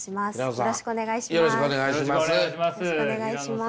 よろしくお願いします。